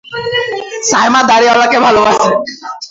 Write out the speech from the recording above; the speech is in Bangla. বিশ্বাস ও শৃঙ্খলা পিতা-মাতার দেহের মতোই।